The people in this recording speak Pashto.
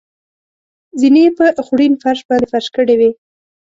زېنې یې په خوړین فرش باندې فرش کړې وې.